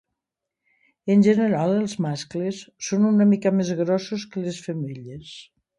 En general, els mascles són una mica més grossos que les femelles.